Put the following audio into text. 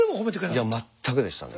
いや全くでしたね。